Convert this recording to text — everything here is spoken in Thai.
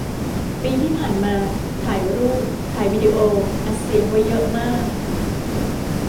ปีที่ผ่านมา ถ่ายรูป ถ่ายวีดิโอ อัดเสียง ไว้เยอะมาก